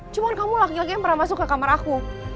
cuman kamu lagi lagi yang pernah masuk ke kamar aku